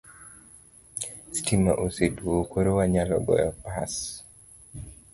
Stima oseduogo koro wanyalo goyo pas